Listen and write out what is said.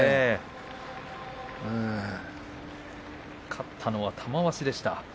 勝ったのは玉鷲でした。